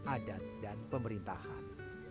adat dan pemerintahan